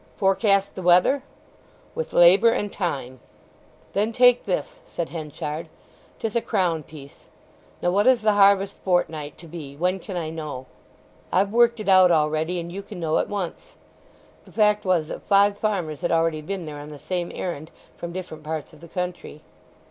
"Forecast the weather?" "With labour and time." "Then take this," said Henchard. "'Tis a crownpiece. Now, what is the harvest fortnight to be? When can I know?' "I've worked it out already, and you can know at once." (The fact was that five farmers had already been there on the same errand from different parts of the country.)